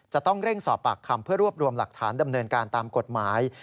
จะต้องเร่งสอบปากคำเพื่อรวบรวมหลักฐานดำเนินการตามกฎหมาย